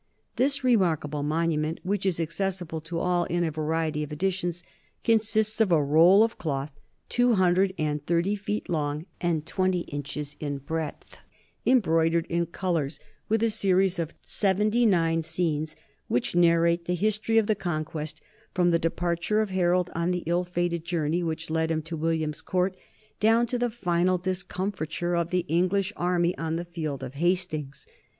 This remarkable monument, which is accessible to all in a variety of editions, consists of a roll of cloth two hundred and thirty feet long and twenty inches in breadth, embroidered in colors with a series of seventy nine scenes which narrate the his tory of the Conquest from the departure of Harold on the ill fated journey which led him to William's court down to the final discomfiture of the English army on the field of Hastings.